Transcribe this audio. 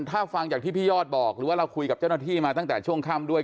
ถ้าฟังจากที่พี่ยอดบอกหรือว่าเราคุยกับเจ้าหน้าที่มาตั้งแต่ช่วงค่ำด้วย